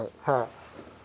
はい。